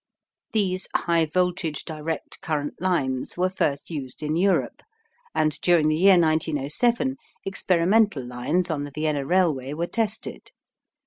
These high voltage direct current lines were first used in Europe, and during the year 1907 experimental lines on the Vienna railway were tested.